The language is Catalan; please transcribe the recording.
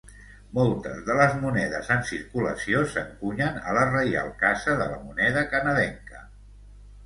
Moltes de les monedes en circulació s'encunyen a la Reial Casa de la Moneda Canadenca.